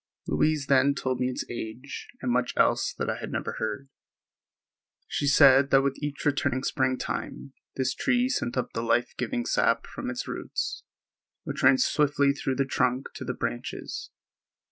Louise then told me its age and much else that I had never heard. She said that with each returning springtime this tree sent up the life giving sap from its roots, which ran swiftly through the trunk to the branches.